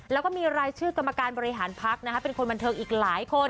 แล้วก็มีรายชื่อกรรมการบริหารพักเป็นคนบันเทิงอีกหลายคน